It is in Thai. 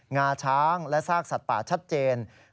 งาช้างและซากสัตว์ป่าชัดเจน